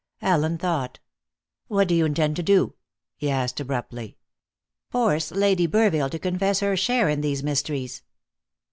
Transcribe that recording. Allen thought. "What do you intend to do?" he asked abruptly. "Force Lady Burville to confess her share in these mysteries."